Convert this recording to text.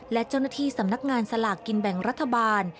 และเจ้าหน้าที่สำนักงานสลากกินแบ่งรัฐบาล